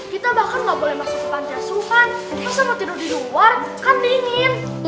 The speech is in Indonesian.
kita bahkan nggak boleh masuk ke pantai asuhan